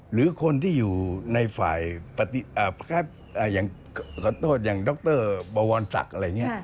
หรือคนที่อยู่ในฝ่ายอย่างขอโทษอย่างดรบวรศักดิ์อะไรอย่างนี้